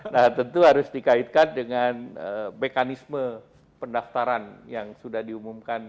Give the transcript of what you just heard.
nah tentu harus dikaitkan dengan mekanisme pendaftaran yang sudah diumumkan